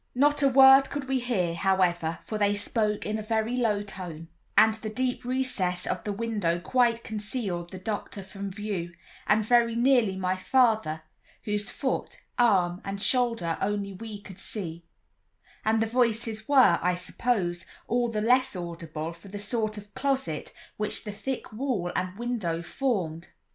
Not a word could we hear, however, for they spoke in a very low tone, and the deep recess of the window quite concealed the doctor from view, and very nearly my father, whose foot, arm, and shoulder only could we see; and the voices were, I suppose, all the less audible for the sort of closet which the thick wall and window formed.